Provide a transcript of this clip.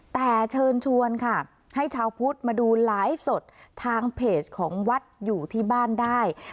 แต่เชิญชวนค่ะให้ชาวพุทธมาดูไลฟ์สดทางเพจของวัดอยู่ที่บ้านได้